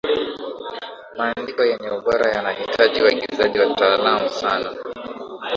maandiko yenye ubora yanahitaji waigizaji wataalamu sana